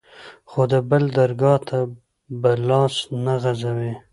خو د بل درګا ته به لاس نه غځوې.